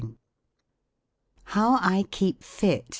“HOW I KEEP FIT.